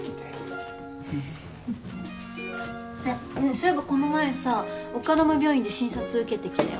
そういえばこの前さ丘珠病院で診察受けてきたよ。